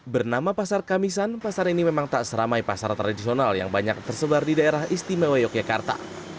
bernama pasar kamisan pasar ini memang tak seramai pasar tradisional yang banyak tersebar di daerah istimewa yogyakarta